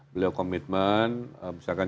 beliau komitmen misalkan